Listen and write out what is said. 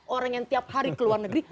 orang yang tiap hari keluar negeri